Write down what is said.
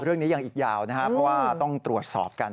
เรื่องนี้ยังอีกยาวนะครับเพราะว่าต้องตรวจสอบกัน